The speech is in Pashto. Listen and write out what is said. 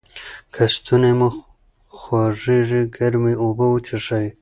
که ستونی مو خوږیږي ګرمې اوبه وڅښئ.